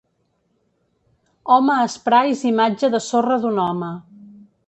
home esprais imatge de sorra d'un home